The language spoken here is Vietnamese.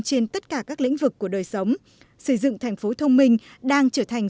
trên tất cả các lĩnh vực của đời sống xây dựng thành phố thông minh đang trở thành